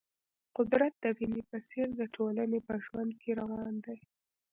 قدرت د وینې په څېر د ټولنې په ژوند کې روان دی.